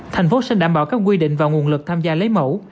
thành phố sẽ đảm bảo các quy định và nguồn lực tham gia lấy mẫu